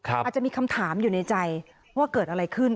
อาจจะมีคำถามอยู่ในใจว่าเกิดอะไรขึ้น